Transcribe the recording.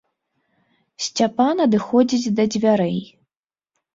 Сцяпан адыходзіць да дзвярэй.